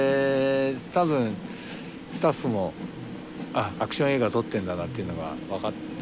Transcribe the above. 多分スタッフも「あっアクション映画撮ってんだな」っていうのが分かったと思うんですよ。